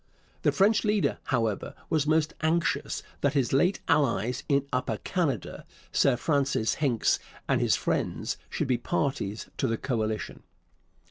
The French leader, however, was most anxious that his late allies in Upper Canada Sir Francis Hincks and his friends should be parties to the coalition.